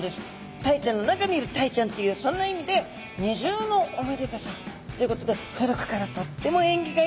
タイちゃんの中にいるタイちゃんっていうそんな意味で二重のおめでたさ！っていうことで古くからとっても縁起がいいものとされています。